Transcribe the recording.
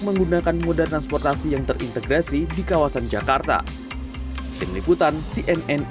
menggunakan moda transportasi yang terintegrasi di kawasan jakarta tim liputan cnn